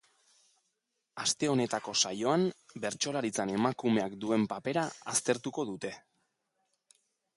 Aste honetako saioan bertsolaritzan emakumeak duen papera aztertuko dute.